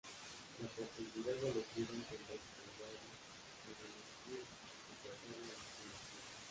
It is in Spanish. La profundidad elegida es entonces salvada en el z-buffer, reemplazando a la antigua.